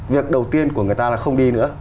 việc đầu tiên của người ta là không đi nữa